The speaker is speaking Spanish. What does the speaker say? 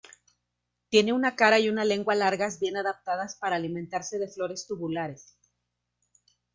Tienen una cara y una lengua largas bien adaptadas para alimentarse de flores tubulares.